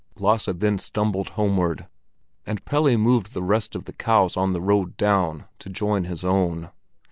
Lasse then stumbled homeward, and Pelle moved the rest of the cows on the road down to join his own.